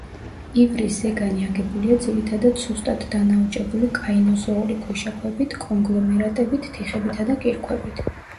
ივრის ზეგანი აგებულია ძირითადად სუსტად დანაოჭებული კაინოზოური ქვიშაქვებით, კონგლომერატებით, თიხებითა და კირქვებით.